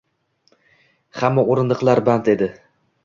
Hamma o’rindiqlar band edi.